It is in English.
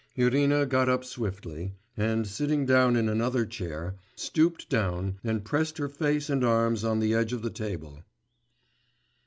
Irina got up swiftly, and, sitting down in another chair, stooped down and pressed her face and arms on the edge of the table.